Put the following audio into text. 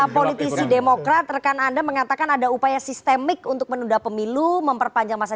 politisi demokrat rekan anda mengatakan ada upaya sistemik untuk menunda pemilu memperpanjang masa